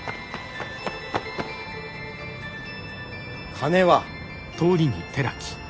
金は？